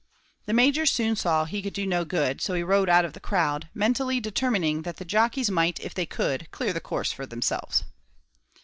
The Major soon saw he could do no good, so he rode out of the crowd, mentally determining that the jockeys might, if they could, clear the course for themselves.